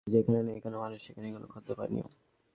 যেখানে নেই কোন মানুষজন, নেই কোন খাদ্য-পানীয়।